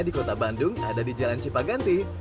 di kota bandung ada di jalan cipaganti